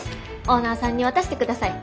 オーナーさんに渡してください。